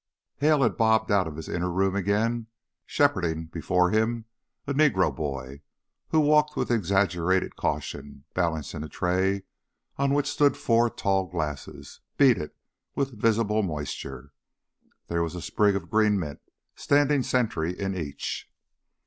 Hale had bobbed out of his inner room again, shepherding before him a Negro boy who walked with exaggerated caution, balancing a tray on which stood four tall glasses, beaded with visible moisture. There was a sprig of green mint standing sentry in each.